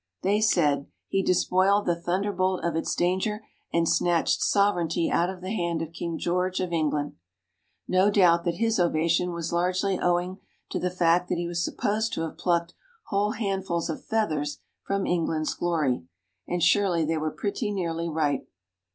They said, "He despoiled the thunderbolt of its danger and snatched sovereignty out of the hand of King George of England." No doubt that his ovation was largely owing to the fact that he was supposed to have plucked whole handfuls of feathers from England's glory, and surely they were pretty nearly right.